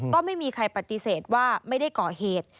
ก็ไม่มีใครปฏิเสธว่าไม่ได้ก่อเหตุ